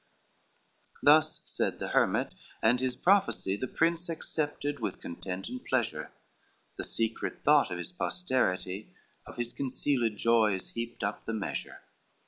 XCV Thus said the hermit, and his prophecy The prince accepted with content and pleasure, The secret thought of his posterity Of his concealed joys heaped up the measure.